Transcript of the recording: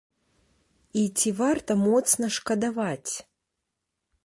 І ці варта моцна шкадаваць?